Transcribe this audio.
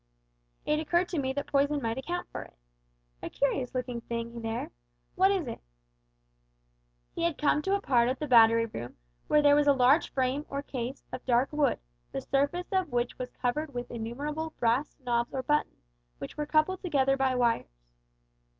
It occurred to me that poison might account for it. A curious looking thing here; what is it?" He had come to a part of the Battery Room where there was a large frame or case of dark wood, the surface of which was covered with innumerable brass knobs or buttons, which were coupled together by wires.